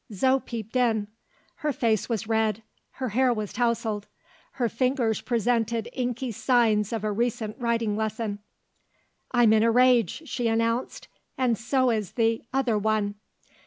Zo peeped in. Her face was red, her hair was tousled, her fingers presented inky signs of a recent writing lesson. "I'm in a rage," she announced; "and so is the Other One."